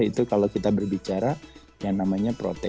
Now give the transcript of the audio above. itu kalau kita berbicara yang namanya protein